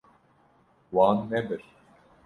Wan nebir.